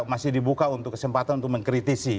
masih dibuka untuk kesempatan untuk mengkritisi